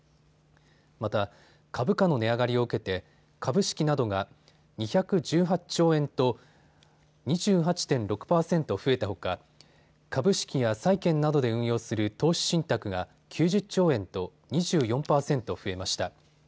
また株価の値上がりを受けて株式などが２１８兆円と２８．６％増えたほか株式や債券などで運用する投資信託が９０兆円と２４％増えました。